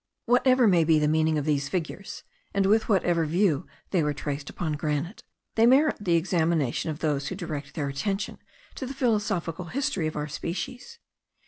Whatever may be the meaning of these figures, and with whatever view they were traced upon granite, they merit the examination of those who direct their attention to the philosophic history of our species.